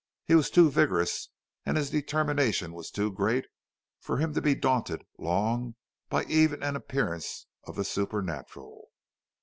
He was too vigorous, and his determination was too great, for him to be daunted long by even an appearance of the supernatural.